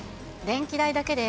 電気代だけで、